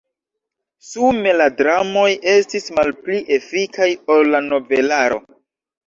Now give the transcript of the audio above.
Sume la dramoj estis malpli efikaj ol la novelaro.